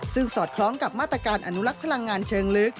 ซึ่งสอดคล้องกับมาตรการอนุลักษ์พลังงานเชิงลึก